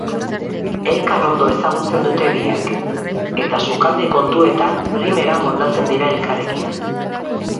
Elkar ondo ezagutzen dute biek, eta sukalde kontuetan primeran moldatzen dira elkarrekin.